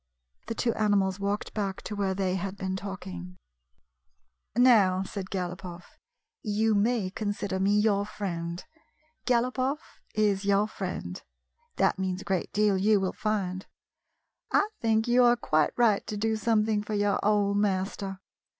The two animals walked back to where they had been talking. 82 A CONFIDENTIAL TALK "Now," said Galopoff, "you may consider me your friend. Galopoff is your friend. That means a great deal, you will find. I think you are quite right to do something for your old master.